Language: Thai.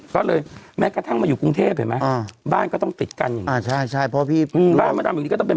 ก็เลยแม้กระทั่งมาอยู่กรุงเทศเห็นมาบ้านก็ต้องติดกัน